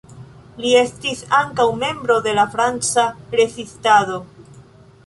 Li estis ankaŭ membro de la Franca rezistado.